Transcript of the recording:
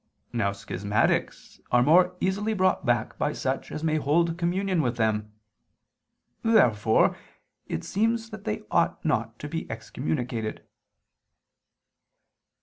Now schismatics are more easily brought back by such as may hold communion with them. Therefore it seems that they ought not to be excommunicated.